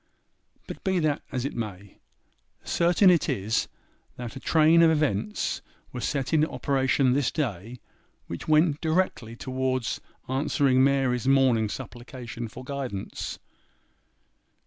But be that as it may, certain it is, that a train of events were set in operation this day which went directly towards answering Mary's morning supplication for guidance.